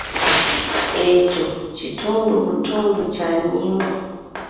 Ekyo kitundu butundu kya nnyingo.